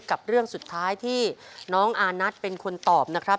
กับเรื่องสุดท้ายที่น้องอานัทเป็นคนตอบนะครับ